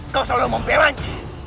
kau selalu mempebanyak